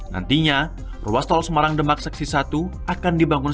nantinya ruas tol semarang demak seksi satu akan dibangun